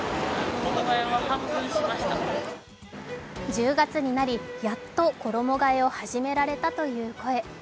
１０月になり、やっと衣がえを始められたという声。